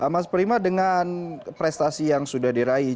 mas prima dengan prestasi yang sudah diraih